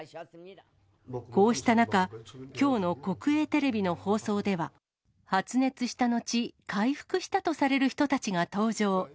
こうした中、きょうの国営テレビの放送では、発熱した後、回復したとされる人たちが登場。